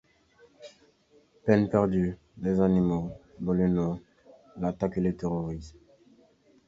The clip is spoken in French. Peine perdue, les animaux, dans le noir, l'attaquent et le terrorisent.